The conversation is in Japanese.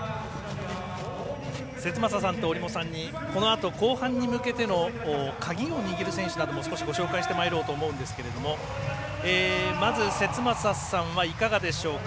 節政さんと折茂さんにこのあと後半に向けての鍵を握る選手なども少しご紹介してまいろうと思いますがまず、節政さんはいかがでしょうか。